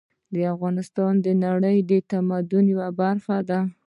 افغانستان د نړۍ د تمدن یوه برخه وه